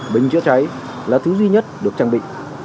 bình chữa cháy là thứ duy nhất được trang bị